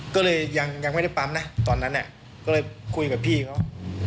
ก็เลยยังไม่ได้ปั๊มนะตอนนั้นก็เลยคุยกับพี่เขา